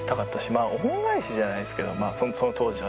まあ恩返しじゃないですけどその当時はね。